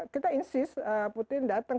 kita insis putin datang